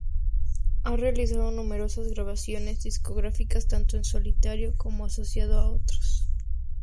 Ha realizado numerosas grabaciones discográficas, tanto en solitario como asociado a otros artistas.